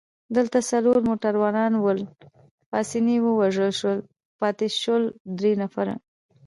دلته څلور موټروانان ول، پاسیني ووژل شو، پاتې شول درې نفره.